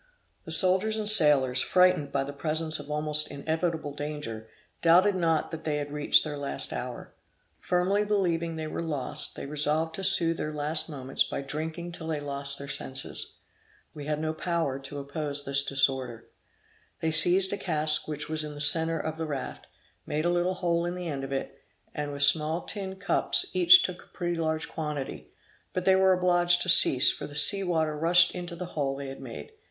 The soldiers and sailors, frightened by the presence of almost inevitable danger, doubted not that they had reached their last hour. Firmly believing they were lost, they resolved to soothe their last moments by drinking till they lost their senses. We had no power to oppose this disorder. They seized a cask which was in the centre of the raft, made a little hole in the end of it, and, with small tin cups, took each a pretty large quantity; but they were obliged to cease, for the sea water rushed into the hole they had made.